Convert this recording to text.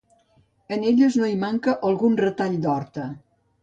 En elles no hi manca algun retall d'horta.